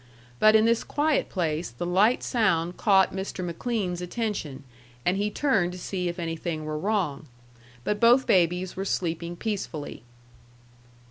But in this quiet place the light sound caught Mr. McLean's attention, and he turned to see if anything were wrong. But both babies were sleeping peacefully.